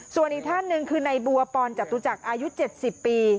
ส่วนอีกท่านหนึ่งคือในบัวปอนจตุจักรอายุ๗๐ปี